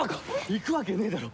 行くわけねえだろ！